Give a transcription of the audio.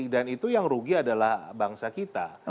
dan itu yang rugi adalah bangsa kita